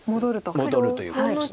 戻るということです。